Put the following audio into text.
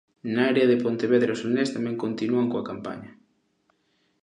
Na área de Pontevedra e O Salnés tamén continúan coa campaña.